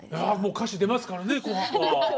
歌詞出ますからね「紅白」は。